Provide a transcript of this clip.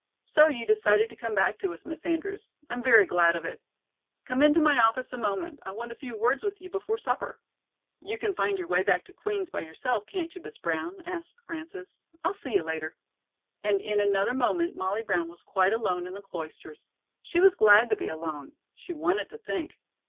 "So you decided to come back to us, Miss Andrews. I'm very glad of it. Come into my office a moment. I want a few words with you before supper." "You can find your way back to Queen's by yourself, can't you, Miss Brown?" asked Frances. "I'll see you later." And in another moment, Molly Brown was quite alone in the Cloisters. She was glad to be alone. She wanted to think.